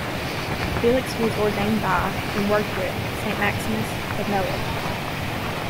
Felix was ordained by, and worked with, Saint Maximus of Nola.